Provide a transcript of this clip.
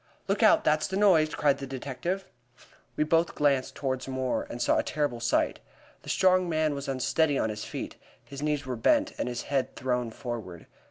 "Look out! That's the noise," cried the detective. We both glanced toward Moore, and saw a terrible sight. The strong man was unsteady on his feet, his knees were bent, and his head thrown forward.